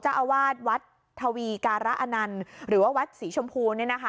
เจ้าโวาสวัดธวรรดิการะอนัณหรือว่าวัดศรีชมพูเนี่ยนะคะ